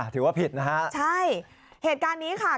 ถือว่าผิดนะฮะใช่เหตุการณ์นี้ค่ะ